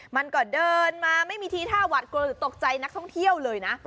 มันก็เดินมาไม่มีทีท่าหวัดกลัวหรือตกใจนักท่องเที่ยวเลยนะ